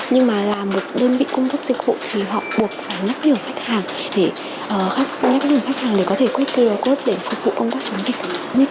nhưng mà làm một đơn vị cung cấp dịch vụ thì họ buộc phải nhắc nhở khách hàng để có thể quét qr code để phục vụ công tác chống dịch